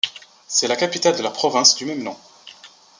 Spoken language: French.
C'est la capitale de la province du même nom.